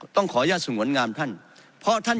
ต้องขออนุญาตสงวนงามท่าน